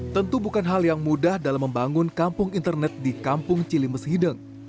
tentu bukan hal yang mudah dalam membangun kampung internet di kampung cilimes hideng